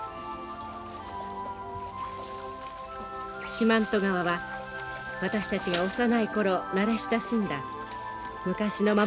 四万十川は私たちが幼い頃慣れ親しんだ昔のままの川でした。